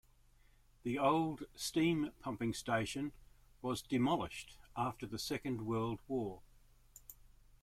The old steam pumping station was demolished after the Second World War.